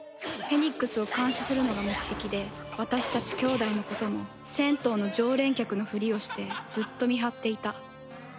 フェニックスを監視するのが目的で私たち兄妹のことも銭湯の常連客のフリをしてずっと見張っていた